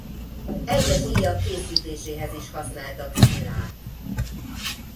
Egyes íjak készítéséhez is használtak szilát.